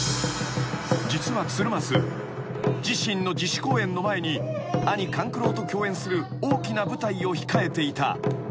［実は鶴松自身の自主公演の前に兄勘九郎と共演する大きな舞台を控えていた］